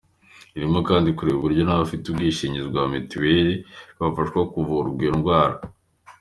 Irimo kandi kureba uburyo n’abafite ubwishingizi bwa mituweli bafashwa kuvurwa iyo ndwara.